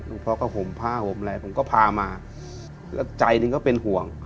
พ่อก็ห่มผ้าห่มอะไรผมก็พามาแล้วใจหนึ่งก็เป็นห่วง